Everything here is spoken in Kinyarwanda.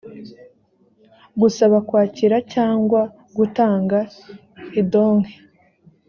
gusaba kwakira cyangwa gutanga indonke